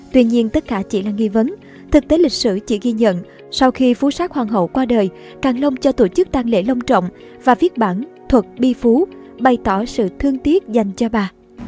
tuy nhiên tất cả chỉ là nghi vấn thực tế lịch sử chỉ ghi nhận sau khi phú sát hoàng hậu qua đời càng long cho tổ chức tang lễ long trọng và viết bản thuật bi phú bày tỏ sự thương tiếc dành cho bà